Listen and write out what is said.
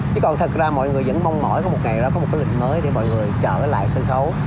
chứ còn thật ra mọi người vẫn mong mỏi có một ngày đó có một cái định mới để mọi người trở lại sân khấu